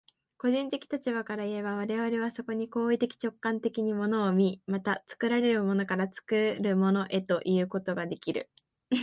個人的立場からいえば、我々はそこに行為的直観的に物を見、また作られたものから作るものへということができる。